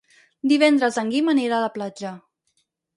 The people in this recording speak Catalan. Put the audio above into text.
Divendres en Guim anirà a la platja.